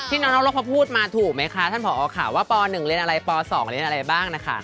น้องนกเขาพูดมาถูกไหมคะท่านผอค่ะว่าป๑เรียนอะไรป๒เรียนอะไรบ้างนะคะ